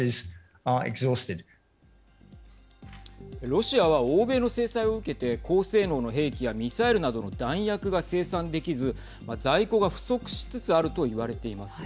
ロシアは、欧米の制裁を受けて高性能の兵器やミサイルなどの弾薬が生産できず在庫が不足しつつあると言われています。